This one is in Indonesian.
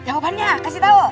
jawabannya kasih tau